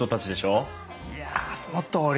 いやそのとおり！